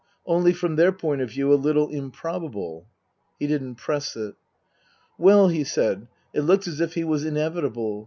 Only from their point of view a little improbable. He didn't press it. " Well," he said, " it looks as if he was inevitable.